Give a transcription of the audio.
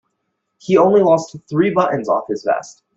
He only lost three buttons off his vest.